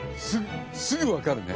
すぐわかるね。